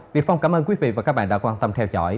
việc phòng cảm ơn quý vị và các bạn đã quan tâm theo dõi